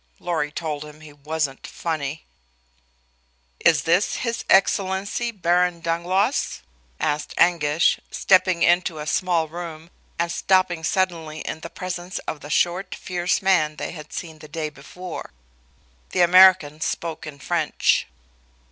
Lorry told him he wasn't funny. "Is this His Excellency, Baron Dangloss?" asked Anguish, stepping into a small room and stopping suddenly in the presence of the short, fierce man they had seen the day before. The American spoke in French.